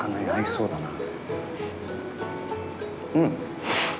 うん！